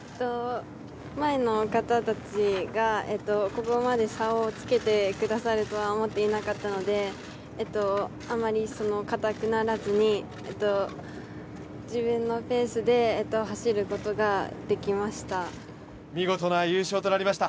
前の方たちがここまで差をつけてくださるとは思っていなかったのであまりかたくならずに、自分のペースで走ることができました。